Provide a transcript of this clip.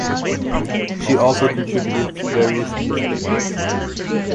She also contributed to various newspapers.